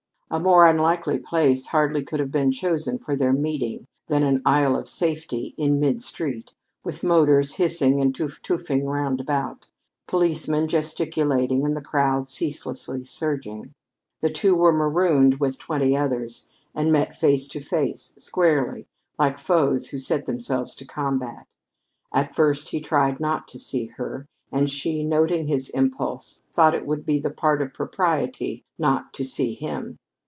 A more unlikely place hardly could have been chosen for their meeting than an "isle of safety" in mid street, with motors hissing and toof toofing round about, policemen gesticulating, and the crowd ceaselessly surging. The two were marooned with twenty others, and met face to face, squarely, like foes who set themselves to combat. At first he tried not to see her, and she, noting his impulse, thought it would be the part of propriety not to see him.